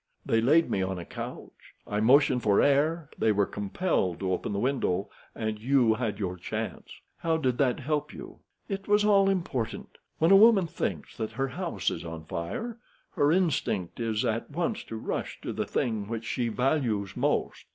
They laid me on a couch, I motioned for air, they were compelled to open the window, and you had your chance." "How did that help you?" "It was all important. When a woman thinks that her house is on fire, her instinct is at once to rush to the thing which she values most.